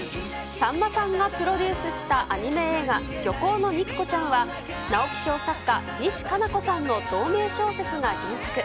さんまさんがプロデュースしたアニメ映画、漁港の肉子ちゃんは、直木賞作家、西加奈子さんの同名小説が原作。